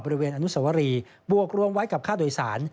บริเวณอนุสวรีบวกรวมไว้กับค่าโดยสาร